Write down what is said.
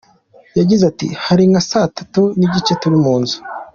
Yagize ati “Hari nka saa tatu n’igice turi mu nzu.